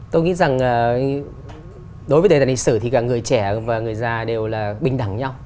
tôi nghĩ rằng đối với đề tài lịch sử thì cả người trẻ và người già đều là bình đẳng nhau